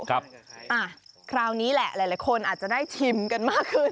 คราวนี้แหละหลายคนอาจจะได้ชิมกันมากขึ้น